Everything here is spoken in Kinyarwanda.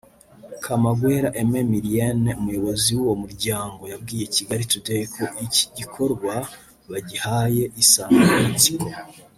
Kamagwera Aime Millienne umuyobozi w’uwo muryango yabwiye Kigali Today ko iki gikorwa bagihaye insanganyamatsiko